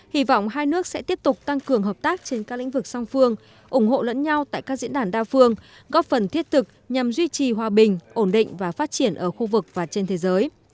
hy vọng hai nước sẽ tiếp tục tăng cường hợp tác trên các lĩnh vực song phương ủng hộ lẫn nhau tại các diễn đàn đa phương góp phần thiết thực nhằm duy trì hòa bình ổn định và phát triển ở khu vực và trên thế giới